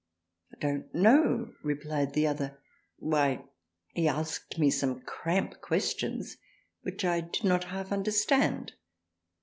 I don't know replied the other, why he asked me some cramp questions which I did not half under stand.